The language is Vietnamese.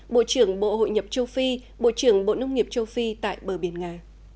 bộ trưởng bộ hội nhập châu phi bộ trưởng bộ nông nghiệp châu phi tại bờ biển nga